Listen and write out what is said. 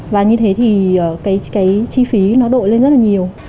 và như thế thì cái chi phí nó đội lên rất là nhiều